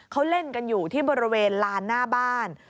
เขาเล่นกันอยู่ที่บริเวณลานหน้าบ้าน